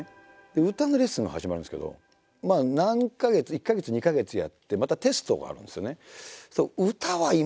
歌のレッスンが始まるんですけどまあ何か月１か月２か月やってまたテストがあるんですよね。